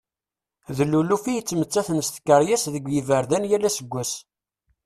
D luluf i yettmettaten s tkeryas deg yiberdan yal aseggas.